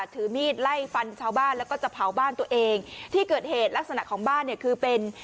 ถือมีดไล่ฟันชาวบ้านแล้วก็จะเผาบ้านตัวเองที่เกิดเหตุลักษณะของบ้านเนี่ยคือเป็น